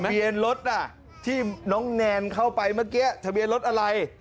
เบียนรถที่น้องแนนเข้าไปเมื่อกี้ทะเบียนรถอะไร